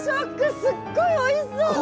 すっごいおいしそうな。